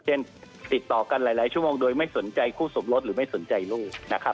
ติดต่อกันหลายชั่วโมงโดยไม่สนใจคู่สมรสหรือไม่สนใจลูกนะครับ